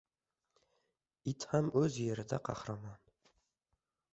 • It ham o‘z yerida qahramon.